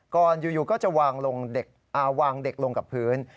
ก่อนอยู่ก็จะวางเด็กลงกับพื้น